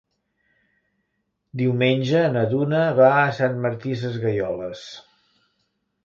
Diumenge na Duna va a Sant Martí Sesgueioles.